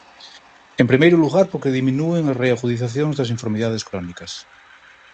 En primeiro lugar, porque diminúen as reagudizacións das enfermidades crónicas.